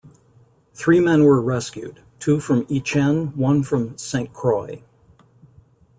Three men were rescued, two from "Itchen", one from "Saint Croix".